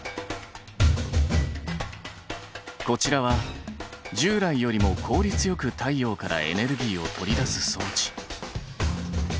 こちらは従来よりも効率よく太陽からエネルギーを取り出す装置。